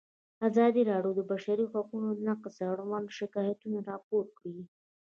ازادي راډیو د د بشري حقونو نقض اړوند شکایتونه راپور کړي.